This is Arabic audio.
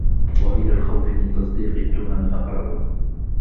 وَإِلَى الْخَوْفِ مِنْ تَصْدِيقِ التُّهَمِ أَقْرَبَ